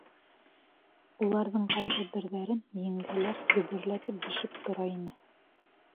Уларҙың ҡайһы берҙәрен еңгәләр гөбөрләтеп бешеп тора ине.